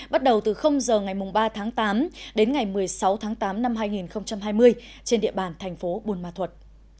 bắt đầu từ giờ ngày ba tháng tám đến ngày một mươi sáu tháng tám năm hai nghìn hai mươi trên địa bàn thành phố buôn ma thuật